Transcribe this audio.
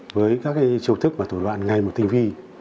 với các chiều thức và thủ đoạn ngay một tinh vi